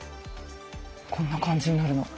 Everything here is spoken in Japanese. こんな感じになるの。